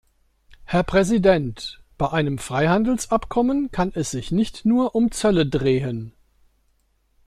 Herr Präsident! Bei einem Freihandelsabkommen kann es sich nicht nur um Zölle drehen.